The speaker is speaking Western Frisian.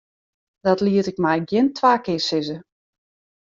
Dat liet ik my gjin twa kear sizze.